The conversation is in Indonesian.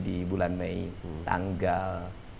di bulan mei tanggal